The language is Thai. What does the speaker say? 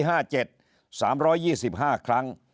ปี๕๗๓๒๕ครั้ง